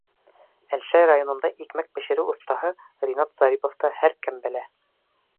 Әлшәй районында икмәк бешереү оҫтаһы Ринат Зариповты һәр кем белә.